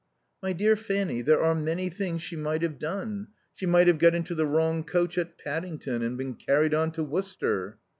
"My dear Fanny, there are many things she might have done. She might have got into the wrong coach at Paddington and been carried on to Worcester."